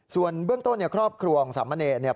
ส่วนเบื้องต้นครอบครัวองค์สำมะเนย